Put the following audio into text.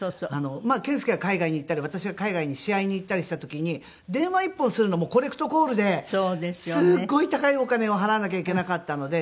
健介が海外に行ったり私が海外に試合に行ったりした時に電話一本するのもコレクトコールですごい高いお金を払わなきゃいけなかったので。